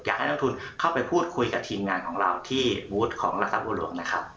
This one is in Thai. อยากให้น้ำทุนเข้าไปพูดคุยกับทีมงานของเราที่บูธของรักษบุรกนะครับ